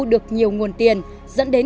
được nhiều nguồn tiền dẫn đến